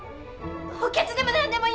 補欠でも何でもいいんです。